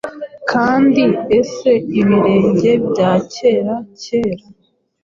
Kandi Ese Ibirenge Byakera Kera